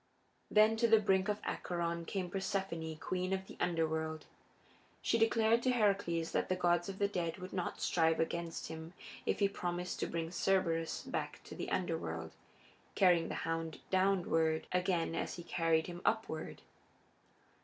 Then to the brink of Acheron came Persephone, queen of the Underworld. She declared to Heracles that the gods of the dead would not strive against him if he promised to bring Cerberus back to the Underworld, carrying the hound downward again as he carried him upward.